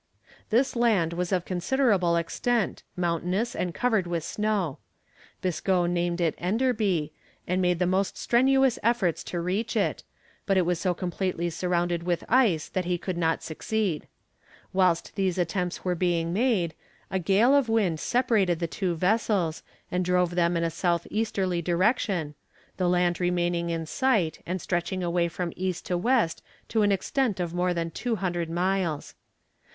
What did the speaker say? This land was of considerable extent, mountainous and covered with snow. Biscoe named it Enderby, and made the most strenuous efforts to reach it, but it was so completely surrounded with ice that he could not succeed. Whilst these attempts were being made a gale of wind separated the two vessels and drove them in a south easterly direction, the land remaining in sight, and stretching away from east to west for an extent of more than 200 miles.